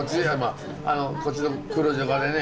こっちの黒ジョカでね。